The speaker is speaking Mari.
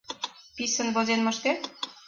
— Писын возен моштет?